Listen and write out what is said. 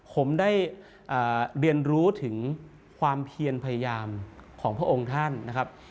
ผมได้เรียนรู้ถึงความเพียรพยายามของพระองค์ท่านนะครับ